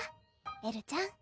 エルちゃん？